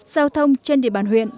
giao thông trên địa bàn huyện